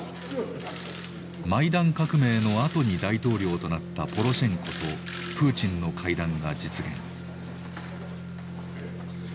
マイダン革命のあとに大統領となったポロシェンコとプーチンの会談が実現。